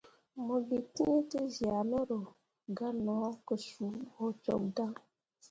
Mo gǝ tǝ̃ǝ̃ tezyah mero, gah no ke suu bo cok dan.